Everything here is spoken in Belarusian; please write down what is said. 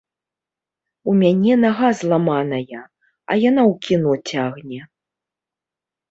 У мяне нага зламаная, а яна ў кіно цягне!